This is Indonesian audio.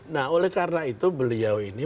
nah oleh karena itu beliau ini